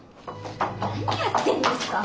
何やってんですか？